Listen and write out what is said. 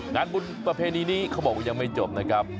งานบุญประเพณีนี้เขาบอกว่ายังไม่จบนะครับ